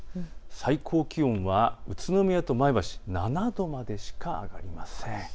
最高気温は宇都宮、前橋７度までしか上がりません。